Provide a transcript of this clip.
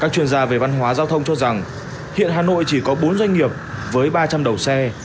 các chuyên gia về văn hóa giao thông cho rằng hiện hà nội chỉ có bốn doanh nghiệp với ba trăm linh đầu xe